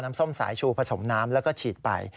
ส้มสายชูผสมน้ำแล้วก็ฉีดไป